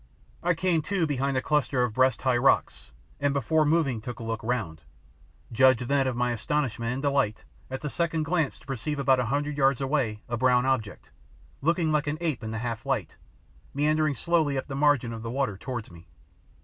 I came to behind a cluster of breast high rocks, and before moving took a look round. Judge then of my astonishment and delight at the second glance to perceive about a hundred yards away a brown object, looking like an ape in the half light, meandering slowly up the margin of the water towards me.